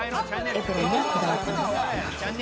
エプロンにも、こだわっています。